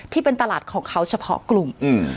ที่เป็นตลาดของเขาเฉพาะกลุ่ม